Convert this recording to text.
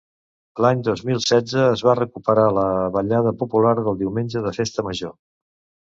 L'any dos mil setze es va recuperar la ballada popular del diumenge de Festa Major.